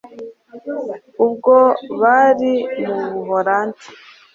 ubwo bari mu Buholandi